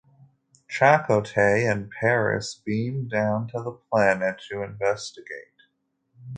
Chakotay and Paris beam down to the planet to investigate.